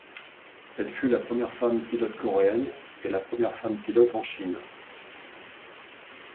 Elle fut la première femme pilote coréenne et la première femme pilote en Chine.